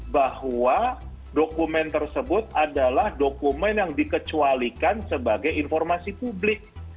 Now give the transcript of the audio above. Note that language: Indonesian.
bahwa dokumen tersebut adalah dokumen yang dikecualikan sebagai informasi publik